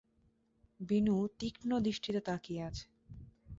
বিনু তীক্ষ্ণ দৃষ্টিতে তাকিয়ে আছে।